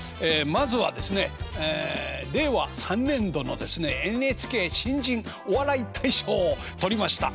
まずはですねええ令和３年度のですねＮＨＫ新人お笑い大賞を取りました